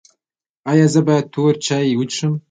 ایا زه باید تور چای وڅښم؟